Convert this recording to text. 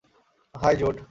High, Jude!